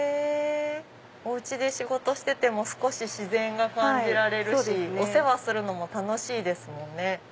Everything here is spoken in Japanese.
お家で仕事してても少し自然が感じられるしお世話するのも楽しいですもんね。